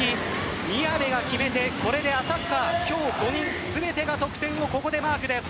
宮部が決めてこれでアタッカー、今日５人全てが得点をここでマークです。